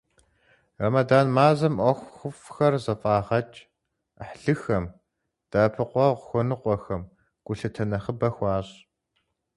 Рэмэдан мазэм ӀуэхуфӀхэр зэфӀагъэкӀ, Ӏыхьлыхэм, дэӀэпыкъуэгъу хуэныкъуэхэм гулъытэ нэхъыбэ хуащӀ.